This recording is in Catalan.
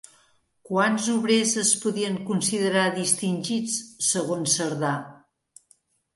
Quants obrers es podien considerar distingits segons Cerdà?